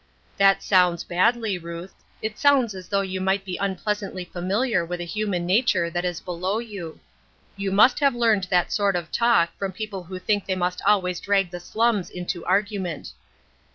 " That sounds badly, Ruth ; it sounds as though you might be unpleasantly familiar with a human nature that is below you. You must have learned that sort of talk from people who think they must always drag the slums into argument."